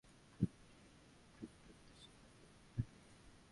খোট্টার দেশে থাকিয়া খোট্টা হইয়া গেছে!